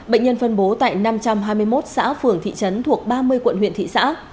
bệnh nhân phân bố tại năm trăm hai mươi một xã phường thị trấn thuộc ba mươi quận huyện thị xã